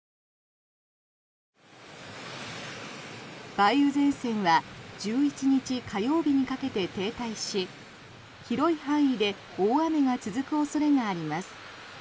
梅雨前線は１１日火曜日にかけて停滞し広い範囲で大雨が続く恐れがあります。